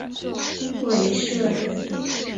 韦陟人。